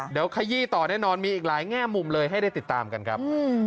เดี๋ยวขยี้ต่อแน่นอนมีอีกหลายแง่มุมเลยให้ได้ติดตามกันครับ